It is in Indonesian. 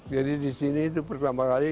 jadi di sini itu pertama kali